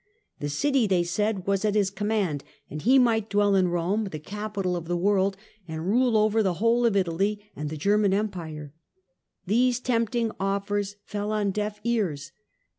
The city, they said, was at his command, and he might dwell in Rome, the capital of the world, and rule over the whole of Italy and the German Empire. These tempting offers fell on deaf ears.